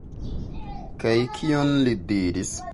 Kaj kion li diris?